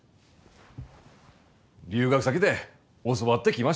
留学先で教わってきましたから。